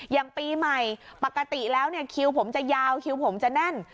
อย่างปีใหม่ปกติแล้วเนี่ยคิวผมจะยาวคิวผมจะแน่น